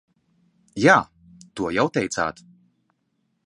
Jā, to jau teicāt.